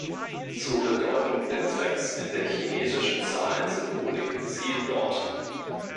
Zur Bedeutung der Sechs in der chinesischen Zahlensymbolik siehe dort.